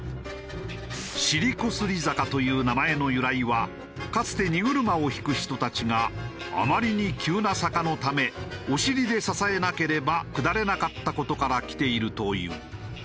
「尻こすり坂」という名前の由来はかつて荷車をひく人たちがあまりに急な坂のためお尻で支えなければ下れなかった事からきているという。